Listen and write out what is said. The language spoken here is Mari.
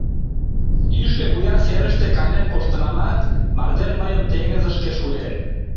— Йӱшӧ вуя серыште канен коштынамат, мардеж мыйым теҥызышке шуэн.